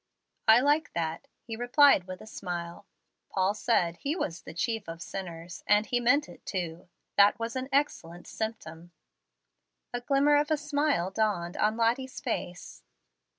"I like that," he replied with a smile. "Paul said he was the 'chief of sinners,' and he meant it too. That was an excellent symptom." A glimmer of a smile dawned on Lottie's face.